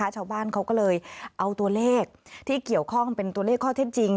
ชาวบ้านเขาก็เลยเอาตัวเลขที่เกี่ยวข้องเป็นตัวเลขข้อเท็จจริง